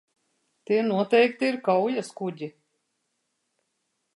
Tie noteikti ir kaujaskuģi.